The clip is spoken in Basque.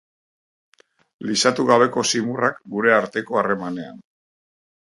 Lisatu gabeko zimurrak gure arteko harremanean.